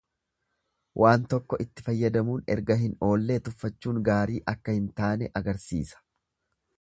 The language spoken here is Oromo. Waan tokko itti fayyadamuun erga hin oollee tuffachuun gaarii akka hin taane agarsiisa.